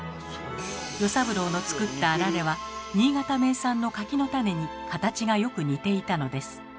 與三郎の作ったあられは新潟名産の柿の種に形がよく似ていたのです。